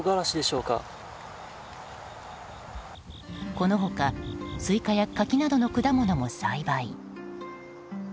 この他、スイカや柿などの果物も栽培。